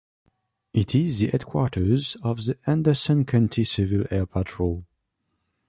It is the headquarters of the Anderson County Civil Air Patrol.